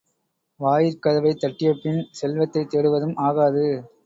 வாயிற் கதவைத் தட்டிய பின் செல்வத்தைத் தேடுவதும் ஆகாது.